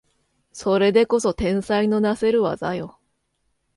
それでこそ天才のなせる技よ